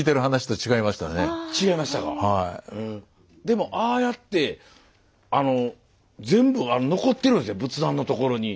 でもああやってあの全部残ってるんですね仏壇のところに。